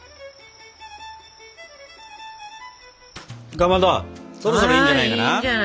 かまどそろそろいいんじゃないかな？